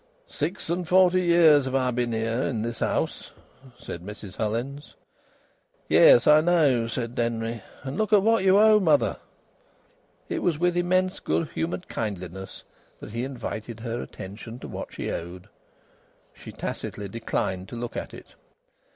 "Six and forty years have I been i' this 'ere house!" said Mrs Hullins. "Yes, I know," said Denry. "And look at what you owe, mother!" It was with immense good humoured kindliness that he invited her attention to what she owed. She tacitly declined to look at it.